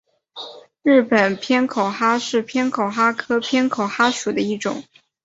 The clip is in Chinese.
日本偏口蛤是偏口蛤科偏口蛤属的一种。